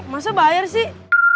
masa bayar sih